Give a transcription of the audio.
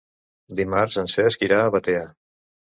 Dimarts en Cesc irà a Batea.